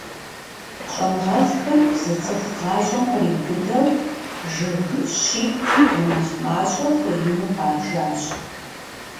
ЩӀэныгъэлӀхэм зы цӀыху гъащӀэм къриубыдэу жыг щитӀ мынэхъ мащӀэ хуеину къабжащ.